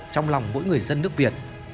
trong lòng mỗi người dân nước việt